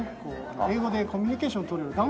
英語でコミュニケーションがとれる談話